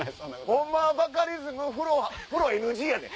ホンマはバカリズム風呂ＮＧやねん。